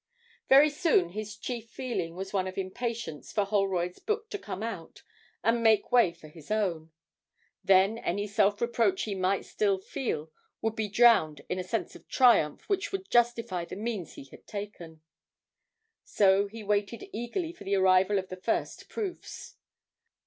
Very soon his chief feeling was one of impatience for Holroyd's book to come out and make way for his own: then any self reproach he might still feel would be drowned in a sense of triumph which would justify the means he had taken; so he waited eagerly for the arrival of the first proofs.